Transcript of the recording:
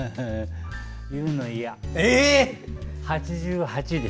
言うのいや。